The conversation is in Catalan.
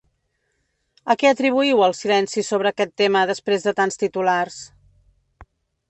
A què atribuïu el silenci sobre aquest tema després de tants titulars?